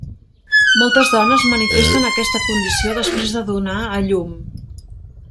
Moltes dones manifesten aquesta condició després de donar a llum.